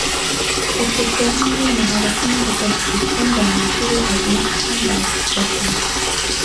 کسبګران نور مهارتونه لکه د سیسټم د عناصرو ازمېښت هم باید زده کړي.